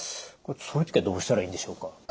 そういう時はどうしたらいいんでしょうか？